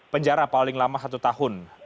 penjara paling lama satu tahun